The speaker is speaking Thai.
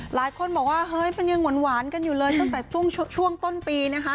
หลายคนบอกว่าเฮ้ยมันยังหวานกันอยู่เลยตั้งแต่ช่วงต้นปีนะคะ